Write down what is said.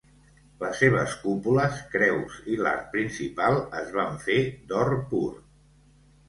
Les seves cúpules, creus i l'arc principal es van fer d'or pur.